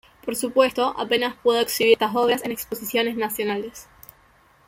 Por supuesto, apenas pudo exhibir estas obras en exposiciones nacionales.